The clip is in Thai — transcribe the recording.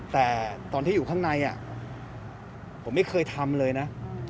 แต่ตอนที่อยู่ข้างในผมไม่เคยทำเลยนะ